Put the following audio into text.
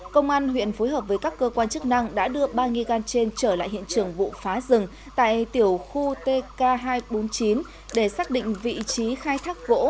công an huyện phối hợp với các cơ quan chức năng đã đưa ba nghi gan trên trở lại hiện trường vụ phá rừng tại tiểu khu tk hai trăm bốn mươi chín để xác định vị trí khai thác gỗ